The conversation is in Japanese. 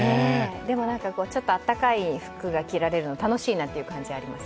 でも、ちょっと温かい服が着られるの、楽しいなという感じがあります。